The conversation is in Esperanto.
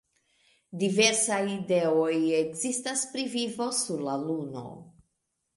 Diversaj ideoj ekzistas pri vivo sur la Luno.